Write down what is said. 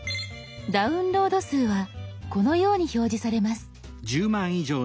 「ダウンロード数」はこのように表示されます。